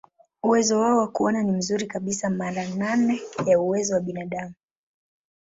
Uwezo wao wa kuona ni mzuri kabisa, mara nane ya uwezo wa binadamu.